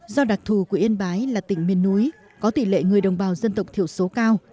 do đặc thù của yên bái là tỉnh miền núi có tỷ lệ người đồng bào dân tộc thiểu số cao